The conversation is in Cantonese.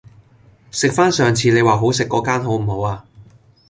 食返上次你話好食嗰間好唔好啊